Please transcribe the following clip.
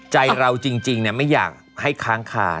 ใจเราจริงไม่อยากให้ค้างคา